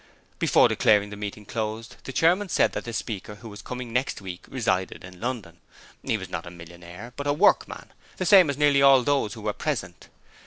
Before declaring the meeting closed, the chairman said that the speaker who was coming next week resided in London: he was not a millionaire, but a workman, the same as nearly all those who were there present.